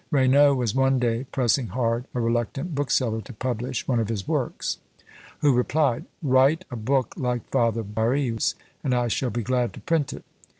Raynaud was one day pressing hard a reluctant bookseller to publish one of his works, who replied "Write a book like Father Barri's, and I shall be glad to print it."